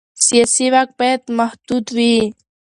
سیاسي واک باید محدود وي